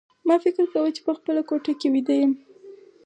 ما فکر کاوه چې په خپله کوټه کې ویده یم